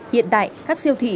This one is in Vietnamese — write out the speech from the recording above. hiện tại các siêu thị